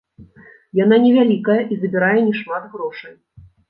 Яна не вялікая і забірае не шмат грошай.